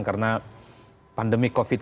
karena pandemi covid sembilan belas